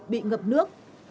bị ngập nước